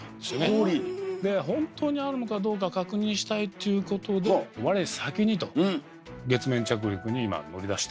氷！でほんとにあるのかどうか確認したいっていうことで月面着陸に今乗り出して。